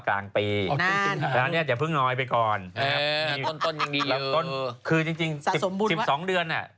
คือจริง๑๒เดือนอะ